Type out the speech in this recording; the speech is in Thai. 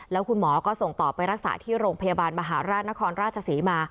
แล้วคุณหมอก็ส่งต่อไปรักษาที่โรงพยาบาลมหาราชนครราชศรีมา